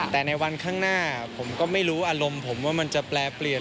แต่ในวันข้างหน้าผมก็ไม่รู้อารมณ์ผมว่ามันจะแปลเปลี่ยน